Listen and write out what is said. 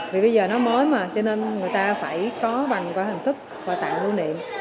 vì bây giờ nó mới mà cho nên người ta phải có bằng qua hình thức quà tặng lưu niệm